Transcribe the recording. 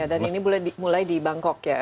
dan ini mulai di bangkok ya